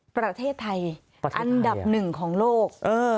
ประเทศไทยอันดับหนึ่งของโลก